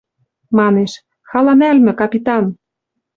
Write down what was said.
Манеш: «Хала нӓлмӹ, капитан!